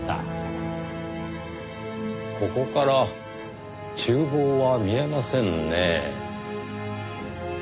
ここから厨房は見えませんねぇ。